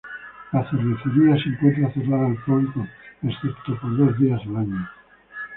La cervecería se encuentra cerrada al público excepto por dos días al año.